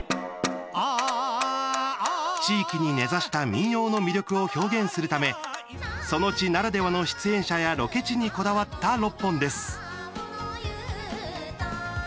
地域に根ざした民謡の魅力を表現するためその地ならではの出演者やロケ地にこだわった６本です。